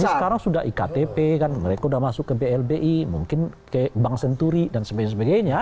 sekarang sudah iktp kan mereka sudah masuk ke blbi mungkin ke bank senturi dan sebagainya